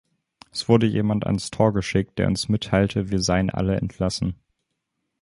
Es wurde jemand ans Tor geschickt, der uns mitteilte, wir seien alle entlassen.